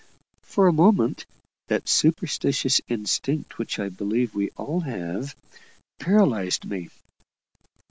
For a moment, that superstitious instinct which I believe we all have, paralyzed me.